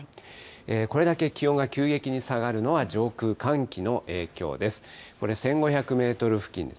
これだけ気温が急激に下がるのは上空寒気の影響です。